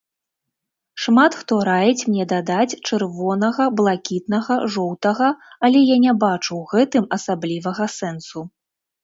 Шмат хто раіць мне дадаць чырвонага-блакітнага-жоўтага, але я не бачу ў гэтым асаблівага сэнсу.